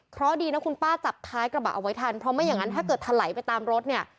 เพราะดีนะคุณป้าจับท้ายกระบะเอาไว้ทันเพราะไม่อย่างนั้นถ้าเกิดถลายไปตามรถเนี่ย